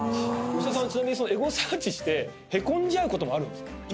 吉田さんはちなみにそのエゴサーチしてへこんじゃうこともあるんですか？